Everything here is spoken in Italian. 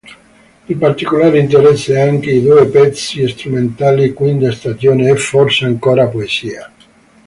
Di particolare interesse anche i due pezzi strumentali, "Quinta stagione" e "Forse ancora poesia".